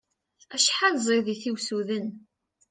Acḥal ẓid-it i usuden!